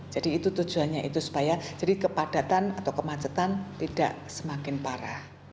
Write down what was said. jadi itu tujuannya supaya kepadatan atau kemacetan tidak semakin parah